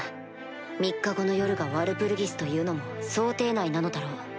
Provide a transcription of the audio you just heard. ３日後の夜がワルプルギスというのも想定内なのだろう